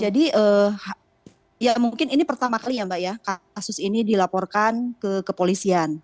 jadi ya mungkin ini pertama kali ya mbak ya kasus ini dilaporkan ke kepolisian